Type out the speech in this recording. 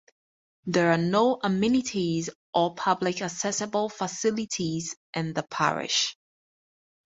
There are no amenities or public accessible facilities in the parish.